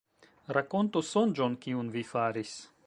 Rakontu sonĝon, kiun vi faris.